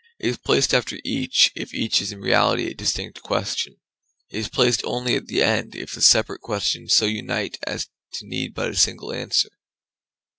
It is placed after each, if each is in reality a distinct question; it is placed only at the end, if the separate questions so unite as to need but a single answer.